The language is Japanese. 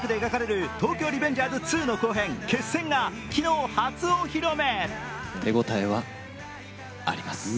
２部作で描かれる「東京リベンジャーズ２」の後編、「決戦」が昨日、初お披露目。